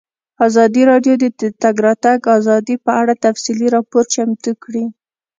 ازادي راډیو د د تګ راتګ ازادي په اړه تفصیلي راپور چمتو کړی.